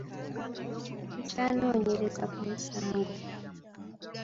Tukyanoonyereza ku munsango.